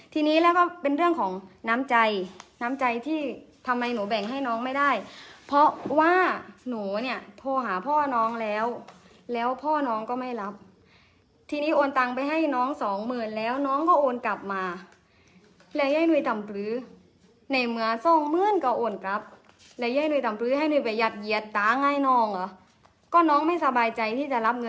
ทีนี้แล้วก็เป็นเรื่องของน้ำใจน้ำใจที่ทำไมหนูแบ่งให้น้องไม่ได้เพราะว่าหนูเนี่ยโทรหาพ่อน้องแล้วแล้วพ่อน้องก็ไม่รับทีนี้โอนตังไปให้น้องสองหมื่นแล้วน้องก็โอนกลับมาแล้วยายหนุ่ยต่ำหรือในเมื่อสองหมื่นก็โอนกลับแล้วยายหนุ่ยต่ำรื้อให้หุ้ยประหยัดเหยียดตังค์ให้น้องเหรอก็น้องไม่สบายใจที่จะรับเงิน